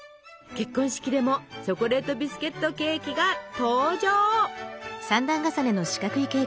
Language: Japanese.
結婚式でもチョコレートビスケットケーキが登場！